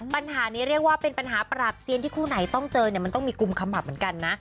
ปัญหานี้เรียกว่าเป็นปัญหาปราบเซียนที่คู่ไหนต้องเจอเนี่ยมันต้องมีกุมขมับเหมือนกันนะ